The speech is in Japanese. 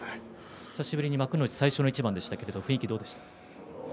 久しぶりに幕内最初の一番でしたがどうでしたか。